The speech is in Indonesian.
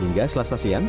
hingga setelah stasiun